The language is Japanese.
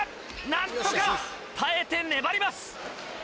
何とか耐えて粘ります。